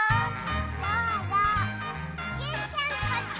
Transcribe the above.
どうぞジュンちゃんこっち！